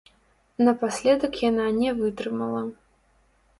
Напаследак яна не вытрымала.